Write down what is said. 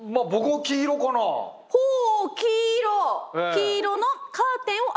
黄色の「カーテンを開ける」。